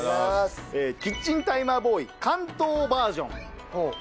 キッチンタイマーボーイ竿燈バージョン。